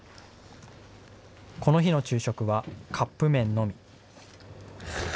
この日の昼食はカップ麺のみ。